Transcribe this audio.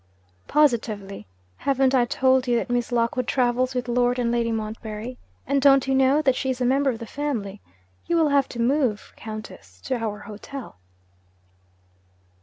'Positively! Haven't I told you that Miss Lockwood travels with Lord and Lady Montbarry? and don't you know that she is a member of the family? You will have to move, Countess, to our hotel.'